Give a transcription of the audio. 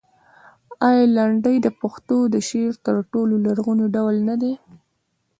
آیا لنډۍ د پښتو د شعر تر ټولو لرغونی ډول نه دی؟